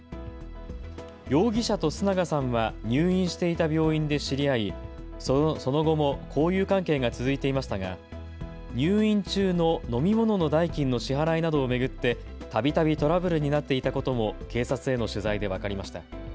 容疑者と須永さんは入院していた病院で知り合い、その後も交友関係が続いていましたが入院中の飲み物の代金の支払いなどを巡ってたびたびトラブルになっていたことも警察への取材で分かりました。